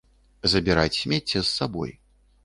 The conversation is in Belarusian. Забіраць смецце з сабой.